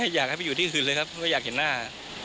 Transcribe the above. อยากให้ไปอยู่ที่อื่นเลยครับไม่อยากเห็นหน้า